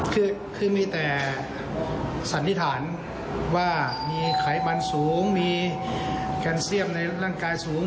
คือคือมีแต่สัญภาษณ์ว่ามีไขพันธุ์สูงมีแคลเซียมในร่างกายสูง